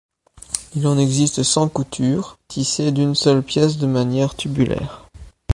Il en existe sans couture, tissées d'une seule pièce de manière tubulaire.